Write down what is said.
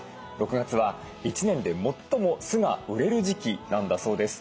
６月は一年で最も酢が売れる時期なんだそうです。